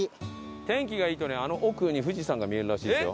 天気がいいとねあの奥に富士山が見えるらしいですよ。